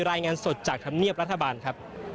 รายงานสดจากธรรมเนียบรัฐบาลครับ